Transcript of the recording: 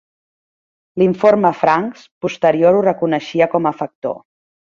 L'informe Franks posterior ho reconeixia com a factor.